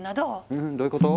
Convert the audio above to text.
うんどういうこと？